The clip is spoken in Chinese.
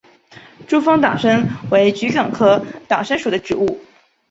珠峰党参为桔梗科党参属的植物。